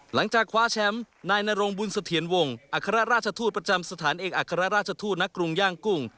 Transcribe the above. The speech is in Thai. หลังจากคว้าแชมป์นายนรงบุญเสถียรวงอัครราชทูตประจำสถานเอกอัครราชทูตณกรุงย่างกุ้ง